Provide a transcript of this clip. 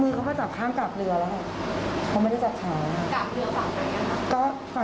มือเขาก็จับข้างกากเรือแล้วเขาไม่ได้จับขา